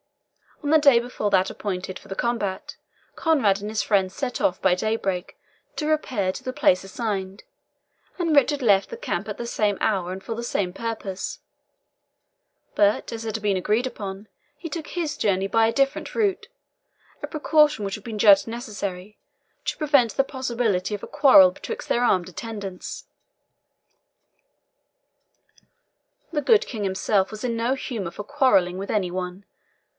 On the day before that appointed for the combat Conrade and his friends set off by daybreak to repair to the place assigned, and Richard left the camp at the same hour and for the same purpose; but, as had been agreed upon, he took his journey by a different route a precaution which had been judged necessary, to prevent the possibility of a quarrel betwixt their armed attendants. The good King himself was in no humour for quarrelling with any one.